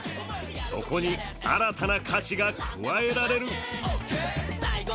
そこに、新たな歌詞が加えられる。